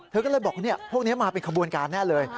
เธอก็เลยบอกพวกนี้มาเป็นขบวนการแน่เลย